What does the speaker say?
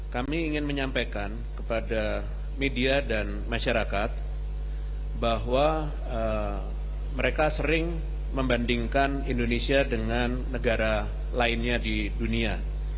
kami ingin menyampaikan kepada media dan masyarakat bahwa mereka sering membandingkan indonesia dengan negara lainnya di dunia